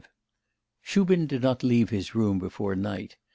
V Shubin did not leave his room before night.